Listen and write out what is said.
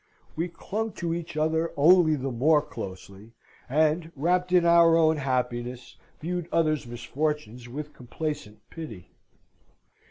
We clung to each other only the more closely, and, wrapped in our own happiness, viewed others' misfortunes with complacent pity.